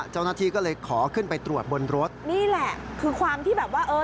เจ้าหน้าที่ก็เลยขอขึ้นไปตรวจบนรถนี่แหละคือความที่แบบว่าเออ